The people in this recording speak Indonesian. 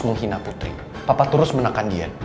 menghina putri papa terus menekan dia